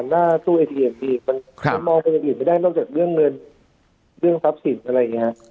หน้าตู้เอเทียมดีมองไปกันอื่นไม่ได้ต้องจากเรื่องเงินเรื่องทับสินอะไรอย่างนี้ครับ